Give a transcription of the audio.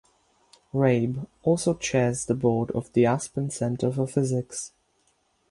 Rabe also chairs the board of the Aspen Center for Physics.